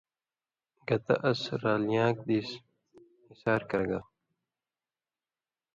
گتہ اس رالیان٘ک دیس ہِسار کرہ گل!“۔